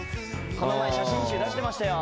この前写真集出してましたよ